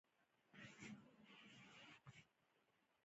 هغې د صادق اوازونو ترڅنګ د زړونو ټپونه آرام کړل.